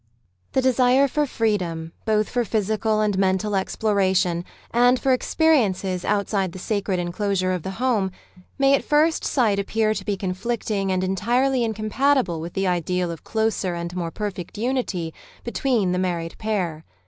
The desire for freedom, both for physical and mental exploration and for experiences outside the sacred enclosure of the home, may at first sight ap pear to be conflicting and entirely incompatible with the ideal of closer and more perfect unity between the married pair.